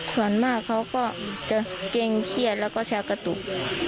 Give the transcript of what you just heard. ส่วนมากเขาก็จะเกรงเครียดแล้วก็ชาวกระตุก